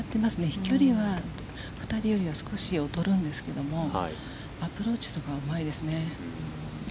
飛距離は２人よりは少し劣るんですけどアプローチとかがうまいですね。